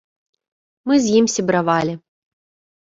Мы з ім сябравалі.